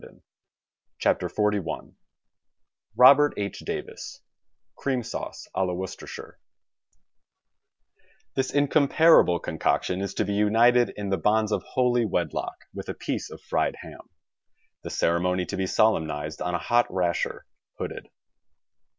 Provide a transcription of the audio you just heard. WRITTEN FOR MEN BY MEN XLI Robert H, Davis CREAM SAUCE k LA WORCESTERSHIRE This incomparable concoction is to be united in the bonds of holy wedlock with a piece of fried ham, the cere mony to be solemnized on a hot rasher, hooded.